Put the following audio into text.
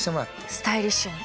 スタイリッシュに。